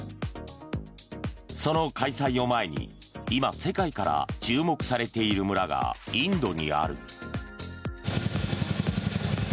その開催を前に今、世界から注目されている村がインドにある。